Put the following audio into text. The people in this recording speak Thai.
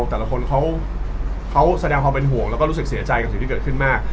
แต่ละคนเขาแสดงความเป็นห่วงแล้วก็รู้สึกเสียใจกับสิ่งที่เกิดขึ้นมาก